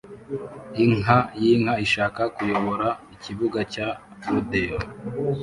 Inka yinka-ishaka kuyobora ikibuga cya rodeo